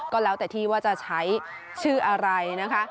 ก็แล้วแต่ที่ว่าจะใช้ชื่ออะไรนะคะ